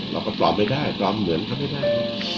เราก็ปลอมไม่ได้ปลอมเหมือนเขาไม่ได้